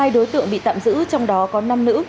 một mươi hai đối tượng bị tạm giữ trong đó có năm nữ